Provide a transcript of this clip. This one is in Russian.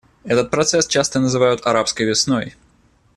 Этот процесс часто называют «арабской весной».